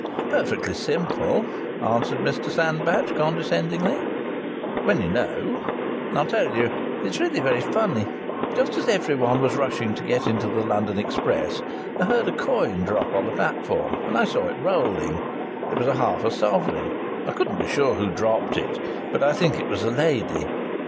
"Perfectly simple," answered Mr Sandbach, condescendingly, "when you know. I'll tell you it's really very funny. Just as everyone was rushing to get into the London express I heard a coin drop on the platform, and I saw it rolling. It was half a sovereign. I couldn't be sure who dropped it, but I think it was a lady.